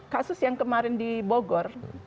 kasus yang kemarin di bogor